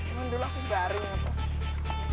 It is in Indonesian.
emang dulu aku garing apa